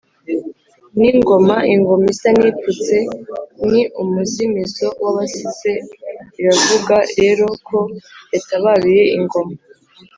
ni ingoma, ingoma isa n’ipfutse (ni umuzimizo w’abasizi) biravuga rero ko yatabaruye ingoma